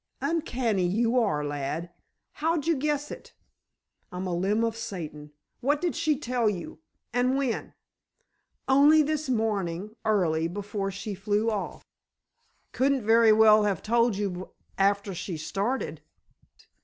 "Uncanny you are, lad! How'd you guess it?" "I'm a limb of Satan. What did she tell you? and when?" "Only this morning; early, before she flew off." "Couldn't very well have told you after she started."